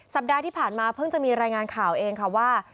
สัปดาห์ที่ผ่านมาเพิ่งจะมีรายงานข่าวเองค่ะว่า